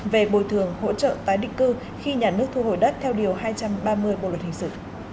về bồi thường hỗ trợ tái định cư khi nhà nước thu hồi đất theo điều hai trăm ba mươi bộ luật hình sự